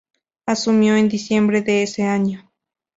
Asumió en diciembre de ese año.